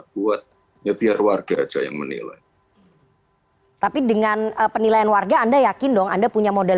buat ya biar warga aja yang menilai tapi dengan penilaian warga anda yakin dong anda punya modal